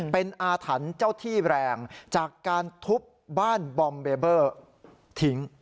เป็นอาถรรพ์เจ้าที่แรงจากการทุบบ้านบอมเบเบอร์ทิ้ง